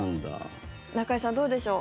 中居さん、どうでしょう。